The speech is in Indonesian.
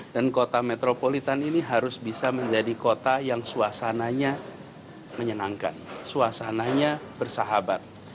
dan kota metropolitan ini harus bisa menjadi kota yang suasananya menyenangkan suasananya bersahabat